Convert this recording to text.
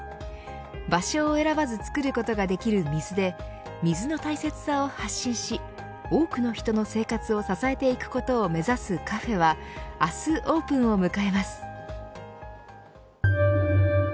場所を選ばず作ることができる水で水の大切さを発信し多くの人の生活を支えていくことを目指すカフェは明日オープンを迎えます。